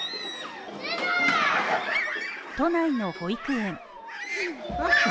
都内の保育園